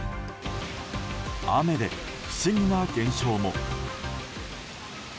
雨で不思議な現象も。